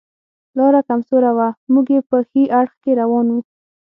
لاره کم سوره وه، موږ یې په ښي اړخ کې روان و.